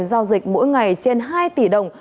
tổng số tiền giao dịch mỗi ngày trên hai tỷ đồng